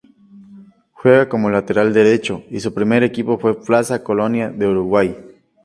Juega como lateral derecho y su primer equipo fue Plaza Colonia de Uruguay.